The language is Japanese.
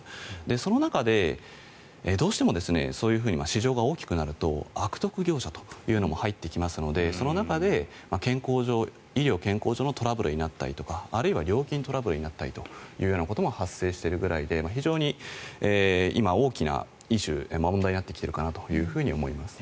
その中で、どうしてもそういうふうに市場が大きくなると悪徳業者というのも入ってきますのでその中で医療健康上のトラブルになったりとかあるいは料金トラブルになったりということも発生しているぐらいで非常に今、大きなイシュー問題になってきているかなと思います。